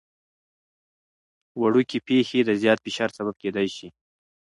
وړوکي پېښې د زیات فشار سبب کېدای شي.